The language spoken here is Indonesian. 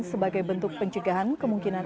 sebagai bentuk pencegahan kemungkinan